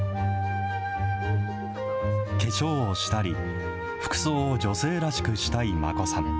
化粧をしたり、服装を女性らしくしたいマコさん。